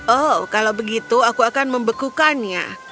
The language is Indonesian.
oh kalau begitu aku akan membekukannya